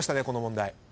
この問題。